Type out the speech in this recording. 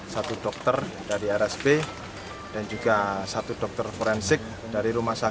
satu dokter dari rsp dan juga satu dokter forensik dari rumah sakit